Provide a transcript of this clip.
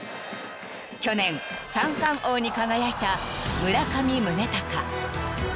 ［去年三冠王に輝いた村上宗隆］